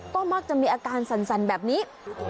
ก็มักจะมีอาการสั่นแบบนี้